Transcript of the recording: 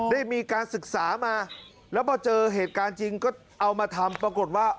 ได้มีการศึกษามาแล้วพอเจอเหตุการณ์จริงก็เอามาทำปรากฏว่า